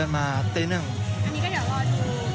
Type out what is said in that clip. เดินมาตีนึงครับ